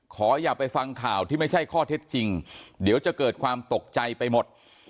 อย่าไปฟังข่าวที่ไม่ใช่ข้อเท็จจริงเดี๋ยวจะเกิดความตกใจไปหมด